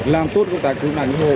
làm tốt công tác cứu nạn của hộ